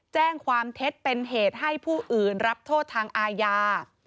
แจ้งความเท็จเป็นเหตุให้ผู้อื่นรับโทษทางอาญา